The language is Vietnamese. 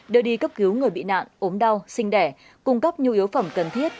đưa đi cấp cứu người bị nạn ốm đau sinh đẻ cung cấp nhu yếu phẩm cần thiết